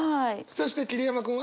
そして桐山君は？